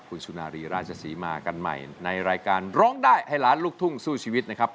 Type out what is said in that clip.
คุณสุนารีราชศรีมากันใหม่ในรายการร้องได้ให้ล้านลูกทุ่งสู้ชีวิตนะครับ